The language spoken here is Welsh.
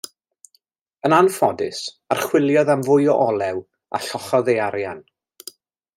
Yn anffodus, archwiliodd am fwy o olew a chollodd ei arian.